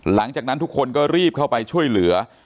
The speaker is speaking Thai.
หลังจากนั้นทุกคนก็รีบเข้าไปช่วยเหลือ